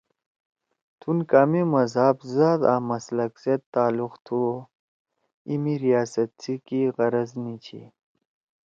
تُھون کامے مذہب، زات آں مسلک سیت تعلق تھُو او اِیمی ریاست سی کی غرَض نیِچھی